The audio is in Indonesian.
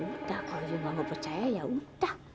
udah kalau i nggak mau percaya yaudah